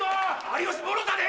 有吉もろうたで！